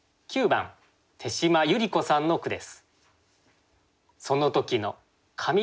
９番手島百合子さんの句です。